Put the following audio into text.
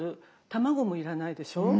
卵もいらないでしょ。